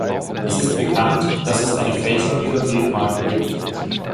Es ist bekannt, dass es eine Fälschung dieser Briefmarke gibt.